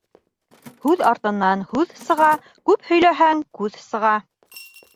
Һүҙ артынан һүҙ сыға, күп һөйләһәң, күҙ сыға.